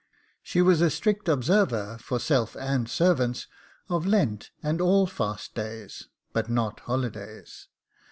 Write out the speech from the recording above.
She was a strict observer, for self and servants, of Lent, and all fast days, but not holidays.